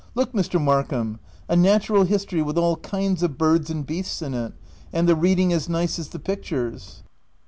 Look, Mr. Markham, a natural history with all kinds of birds and beasts in it, and the reading as nice as the pictures